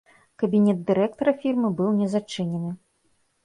Кабінет дырэктара фірмы быў не зачынены.